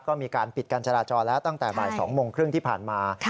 ก็มีการปิดการจราจรแล้วตั้งแต่บ่าย๒โมงครึ่งที่ผ่านมา